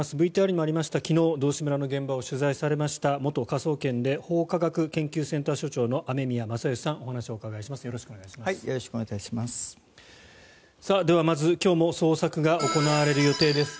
ＶＴＲにもありました昨日、道志村の現場を取材されました元科捜研で法科学研究センター所長の雨宮正欣さんにお話をお伺いします。